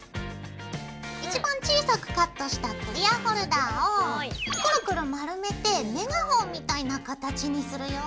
一番小さくカットしたクリアホルダーをクルクル丸めてメガホンみたいな形にするよ。